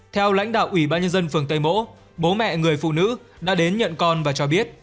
theo lãnh đạo ủy ban nhân dân phường tây mỗ bố mẹ người phụ nữ đã đến nhận con và cho biết